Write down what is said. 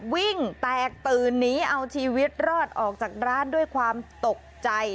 วิ่งแตกตื่นหนีเอาชีวิตรอดออกจากร้านด้วยความตกใจ